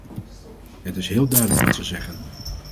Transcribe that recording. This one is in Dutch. Het is heel duidelijk wat ze zeggen.